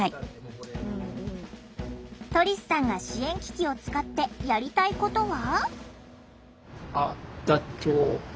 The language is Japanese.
トリスさんが支援機器を使ってやりたいことは？